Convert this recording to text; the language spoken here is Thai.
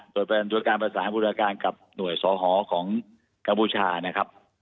โดยการประสานบูรการกับหน่วยสอหอของกัมพูชานะครับ